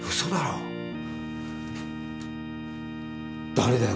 誰だよ？